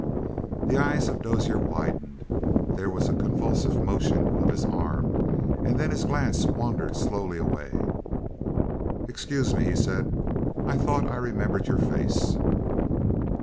The eyes of Dozier widened, there was a convulsive motion of his arm, and then his glance wandered slowly away. "Excuse me," he said. "I thought I remembered your face."